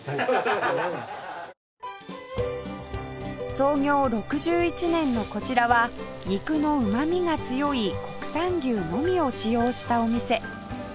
創業６１年のこちらは肉のうまみが強い国産牛のみを使用したお店